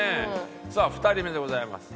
さあ２人目でございます。